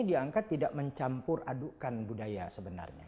tari ini diangkat tidak mencampur adukan budaya sebenarnya